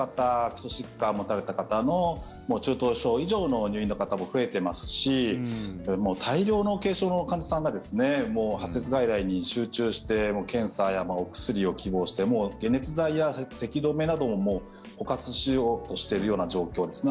基礎疾患を持たれた方の中等症以上の入院の方も増えてますしもう大量の軽症の患者さんが発熱外来に集中して検査やお薬を希望して解熱剤や、せき止めなども枯渇しようとしているような状況です。